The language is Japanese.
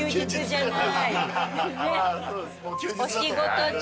お仕事中。